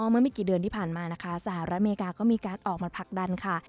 เมื่อไม่กี่เดือนที่ผ่านมานะคะสหรัฐอเมริกาก็มีการออกมาผลักดันค่ะ